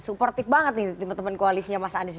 suportif banget nih teman teman koalisnya mas anies